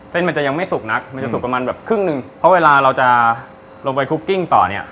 มันจะยังไม่สุกนักมันจะสุกประมาณแบบครึ่งหนึ่งเพราะเวลาเราจะลงไปคุกกิ้งต่อเนี่ย